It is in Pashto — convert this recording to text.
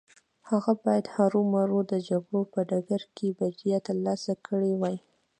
هغه بايد هرو مرو د جګړې په ډګر کې بريا ترلاسه کړې وای.